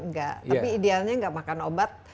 enggak tapi idealnya nggak makan obat